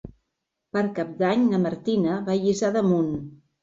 Per Cap d'Any na Martina va a Lliçà d'Amunt.